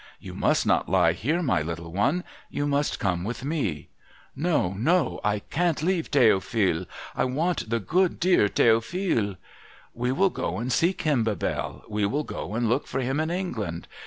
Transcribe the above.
i 'You must not lie here, my little one. You must come with me.' 1 * No, no. I can't leave Theophile. I want the good dear The'ophile.' ' We will go and seek him, Bebelle, We will go and look for him in England.